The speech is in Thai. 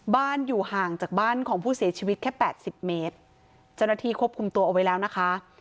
อยู่ห่างจากบ้านของผู้เสียชีวิตแค่แปดสิบเมตรเจ้าหน้าที่ควบคุมตัวเอาไว้แล้วนะคะ